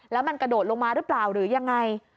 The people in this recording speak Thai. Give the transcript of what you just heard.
แล้วมันกระโดดลงมาหรือเปล่าหรือยังไง